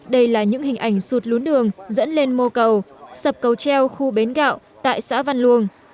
đây là những hình ảnh sụt lún đường dẫn lên mô cầu sập cầu treo khu bến gạo tại xã văn luông